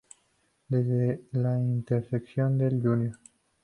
Desde la intersección del Jr.